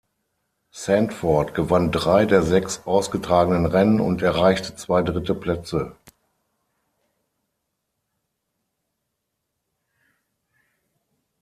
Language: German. Sandford gewann drei der sechs ausgetragenen Rennen und erreichte zwei dritte Plätze.